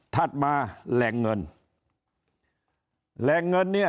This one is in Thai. ถัดมาแหล่งเงินแหล่งเงินเนี่ย